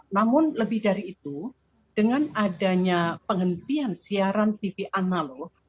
namun lebih dari itu dengan adanya penghentian siaran tv analog